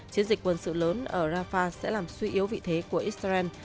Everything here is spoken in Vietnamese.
chiến dịch quân sự lớn ở rafah sẽ làm suy yếu vị thế của israel